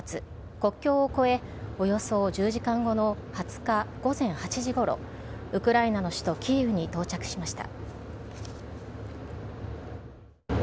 国境を越え、およそ１０時間後の２０日午前８時ごろ、ウクライナの首都キーウに到着しました。